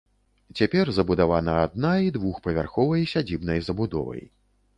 Цяпер забудавана адна і двухпавярховай сядзібнай забудовай.